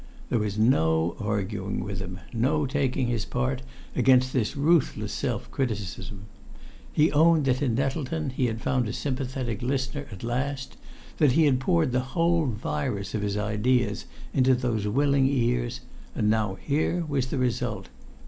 There was no arguing with him, no taking his part against this ruthless self criticism. He owned that in Nettleton he had found a sympathetic listener at last, that he had poured the whole virus of his ideas into those willing ears, and now here was the result.